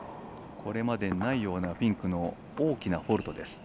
これまでにないようなフィンクの大きなフォールト。